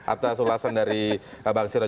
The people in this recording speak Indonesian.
atau seulasan dari pak bang sirojiri